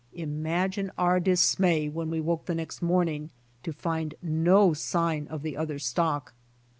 Imagine our dismay when we woke the next morning to find no sign of the other stock.